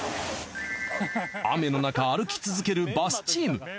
雨の中歩き続けるバスチーム。